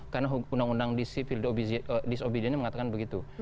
karena undang undang sipil disobedience mengatakan begitu